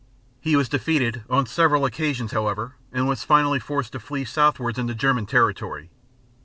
He was defeated on several occasions, however, and was finally forced to flee southwards into German territory.